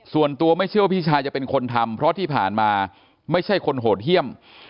ส่วนตัวไม่เชื่อว่าพี่ชายจะเป็นคนทำเพราะที่ผ่านมาไม่ใช่คนโหดเยี่ยม